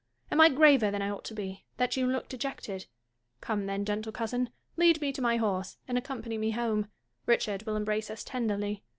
Am I graver than I ought to be, that you look dejected 1 Come, then, gentle cousin, lead me to my horse, and accom pany me home. Richard will embrace us tenderly.